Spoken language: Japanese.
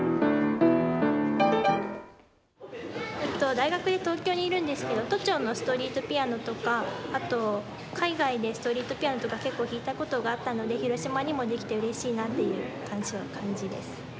大学で東京にいるんですけど都庁のストリートピアノとかあと海外でストリートピアノとか結構弾いたことがあったので広島にも出来てうれしいなっていう感じです。